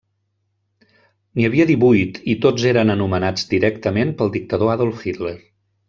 N'hi havia divuit, i tots eren anomenats directament pel dictador Adolf Hitler.